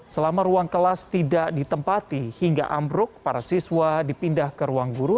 selama ruang kelas tidak ditempati hingga ambruk para siswa dipindah ke ruang guru